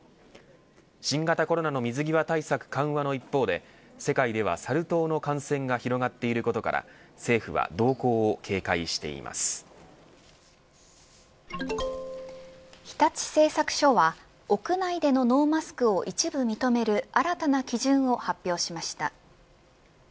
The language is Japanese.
新型コロナの水際対策緩和の一方で世界ではサル痘の感染が広がっていることから日立製作所は屋内でのノーマスクを一部認める新たな基準を発表しました。